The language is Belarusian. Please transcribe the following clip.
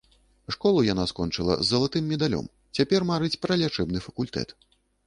Школу яна скончыла з залатым медалём, цяпер марыць пра лячэбны факультэт.